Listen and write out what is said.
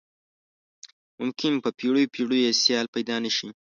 ممکن په پیړیو پیړیو یې سیال پيدا نه شي.